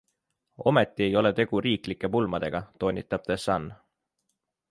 Ometi ei ole tegu riiklike pulmadega, toonitab The Sun.